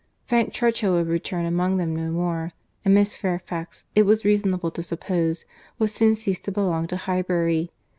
—Frank Churchill would return among them no more; and Miss Fairfax, it was reasonable to suppose, would soon cease to belong to Highbury.